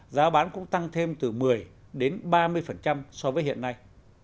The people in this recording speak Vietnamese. giá bán cũng tăng thêm từ một mươi đến ba mươi so với hiện nay